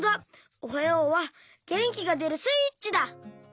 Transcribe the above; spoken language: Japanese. おはようはげんきがでるスイッチだ。